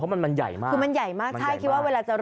มันมันใหญ่มากคือมันใหญ่มากใช่คิดว่าเวลาจะรอ